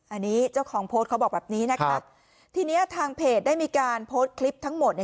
อันนี้เจ้าของโพสต์เขาบอกแบบนี้นะคะทีนี้ทางเพจได้มีการโพสต์คลิปทั้งหมด